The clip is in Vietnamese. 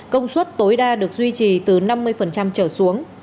công suất tối đa được duy trì từ năm mươi trở xuống